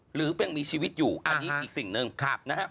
หรือยังมีชีวิตอยู่อันนี้อีกสิ่งหนึ่งนะครับ